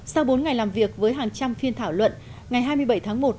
sau bốn ngày làm việc với hàng trăm phiên thảo luận ngày hai mươi bảy tháng một